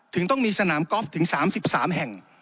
ต้องมีสนามกอล์ฟถึง๓๓แห่ง